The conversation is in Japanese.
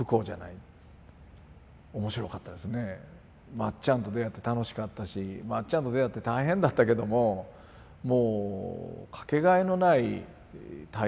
まっちゃんと出会って楽しかったしまっちゃんと出会って大変だったけどももう掛けがえのない体験をしたですね。